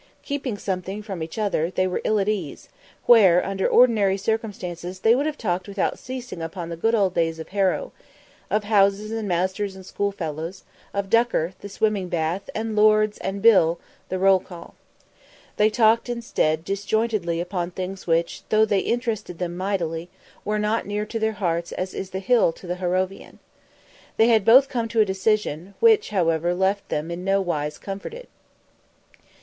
Keeping something from each other, they were ill at ease, where, under ordinary circumstances, they would have talked without ceasing upon the good old days at Harrow; of Houses and masters and schoolfellows; of Ducker the swimming bath and Lords and Bill the roll call. They talked, instead, disjointedly upon things which, though they interested them mightily, were not near their hearts as is the Hill to the Harrovian. They had both come to a decision, which, however, left them in nowise comforted.